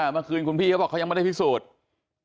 เมื่อคืนคุณพี่เขาบอกเขายังไม่ได้พิสูจน์